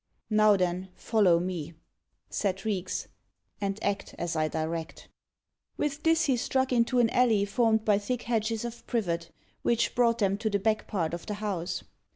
"Now then, follow me," said Reeks, "and act as I direct." With this he struck into an alley formed by thick hedges of privet, which brought them to the back part of the house.